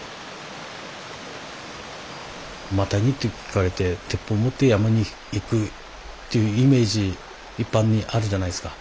マタギと聞かれて鉄砲持って山に行くというイメージ一般にあるじゃないですか。